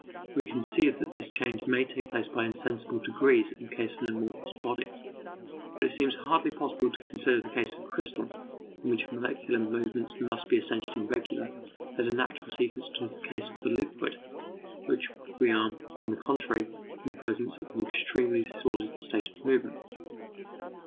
We conceive that this change may take place by insensible degrees in the case of an amorphous body. But it seems hardly possible to consider the case of a crystal, in which molecular movements must be essentially regular, as a natural sequence to the case of the liquid where we are, on the contrary, in presence of an extremely disordered state of movement.